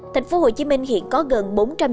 thành phố hồ chí minh hiện có gần